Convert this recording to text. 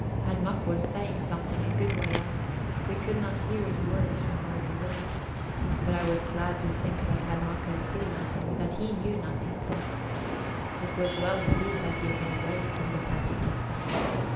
Herr Mack was saying something, a good way off; we could not hear his words from where we were. But I was glad to think that Herr Mack had seen nothing, that he knew nothing of this. It was well indeed that he had been away from the party just then.